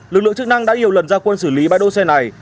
lực lượng chức năng đã hiểu lần gia quân xử lý bãi đỗ xe này